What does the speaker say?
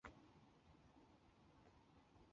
鱼腥脑岛灯塔是浙江省岱山县境内的一座灯塔。